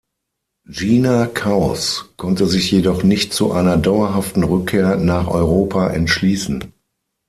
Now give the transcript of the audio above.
Gina Kaus konnte sich jedoch nicht zu einer dauerhaften Rückkehr nach Europa entschließen.